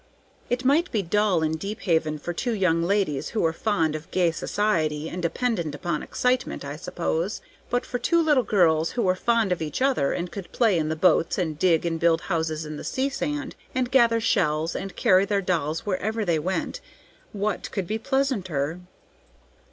It might be dull in Deephaven for two young ladies who were fond of gay society and dependent upon excitement, I suppose; but for two little girls who were fond of each other and could play in the boats, and dig and build houses in the sea sand, and gather shells, and carry their dolls wherever they went, what could be pleasanter?"